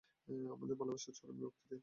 আমাদের ভালোবাসার চরম এই ভক্তিতে।